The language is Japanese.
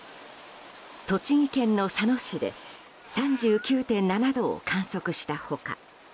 栃木県の佐野市で３９．７度を観測した他